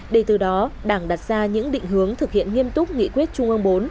để từ đó đảng đặt ra những định hướng thực hiện nghiêm túc nghị quyết trung ương bốn